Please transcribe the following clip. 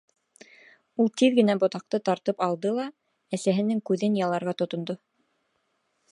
Ул тиҙ генә ботаҡты тартып алды ла, әсәһенең күҙен яларға тотондо.